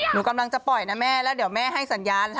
หนูกำลังจะปล่อยนะแม่แล้วเดี๋ยวแม่ให้สัญญาณค่ะ